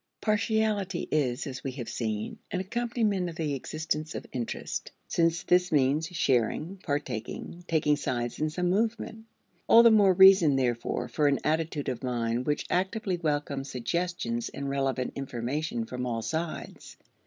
Partiality is, as we have seen, an accompaniment of the existence of interest, since this means sharing, partaking, taking sides in some movement. All the more reason, therefore, for an attitude of mind which actively welcomes suggestions and relevant information from all sides.